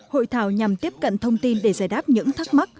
hội thảo nhằm tiếp cận thông tin để giải đáp những thắc mắc